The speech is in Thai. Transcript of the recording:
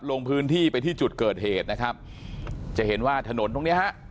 ลงพื้นที่ไปที่จุดเกิดเหตุนะครับจะเห็นว่าถนนตรงเนี้ยฮะ